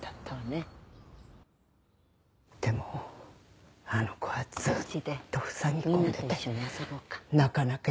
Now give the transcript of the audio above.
でもあの子はずっとふさぎ込んでてなかなか園になじめなくてね。